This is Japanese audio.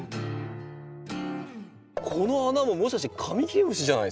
この穴ももしかしてカミキリムシじゃないですか？